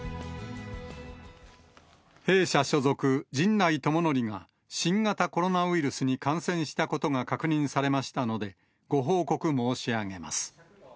弊社所属、陣内智則が、新型コロナウイルスに感染したことが確認されましたので、ご報告申し上げます。